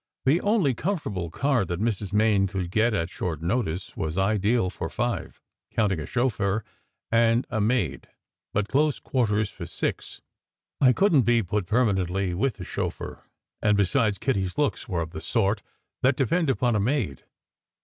The only comfortable car that Mrs. Main could get at short notice, was ideal for five, counting a chauffeur and a maid, but close quarters for six. I couldn t be put permanently with the chauffeur; and, besides, Kitty s looks were of the sort that depend upon a maid.